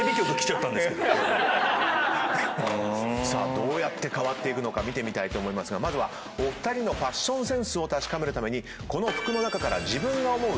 どうやって変わっていくのか見てみたいと思いますがまずはお二人のファッションセンスを確かめるためにこの服の中から自分が思う